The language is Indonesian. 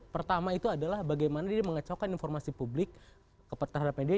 pertama itu adalah bagaimana dia mengecaukan informasi publik terhadap media